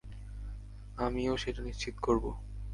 আমিও সেটা নিশ্চিত করব।